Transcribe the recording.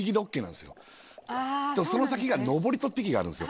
でもその先が登戸って駅があるんですよ。